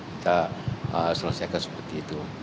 kita selesaikan seperti itu